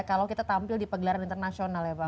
kalau kita tampil di pegelaran internasional ya pak